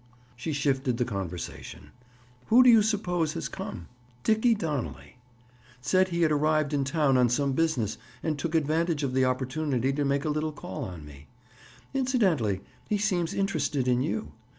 She shifted the conversation. "Who do you suppose has come? Dickie Donnelly. Said he had arrived in town on some business and took advantage of the opportunity to make a little call on me. Incidentally, he seems interested in you.